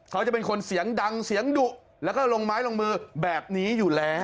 เขาจะเป็นคนเสียงดังเสียงดุแล้วก็ลงไม้ลงมือแบบนี้อยู่แล้ว